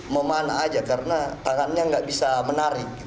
memanah aja karena tangannya nggak bisa menarik